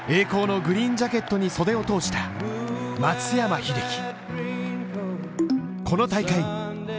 栄光のグリーンジャケットに袖を通した松山英樹